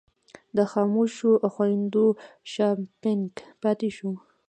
د خاموشو خویندو شاپنګ پاتې شو.